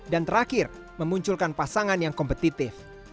dan terakhir memunculkan pasangan yang kompetitif